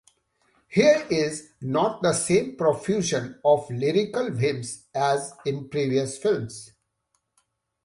Here is not the same profusion of lyrical whims as in previous films.